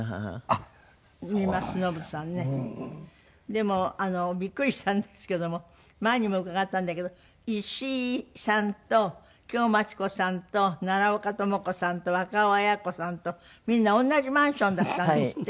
でもビックリしたんですけども前にも伺ったんだけど石井さんと京マチ子さんと奈良岡朋子さんと若尾文子さんとみんな同じマンションだったんですって？